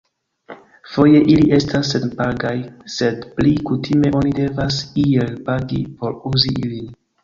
Foje ili estas senpagaj, sed pli kutime oni devas iel pagi por uzi ilin.